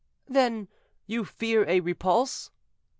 "Then you fear a repulse?"